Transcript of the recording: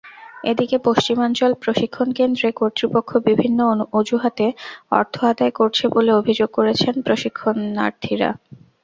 এদিকে পশ্চিমাঞ্চল প্রশিক্ষণকেন্দ্রে কর্তৃপক্ষ বিভিন্ন অজুহাতে অর্থ আদায় করছে বলে অভিযোগ করেছেন প্রশিক্ষণার্থীরা।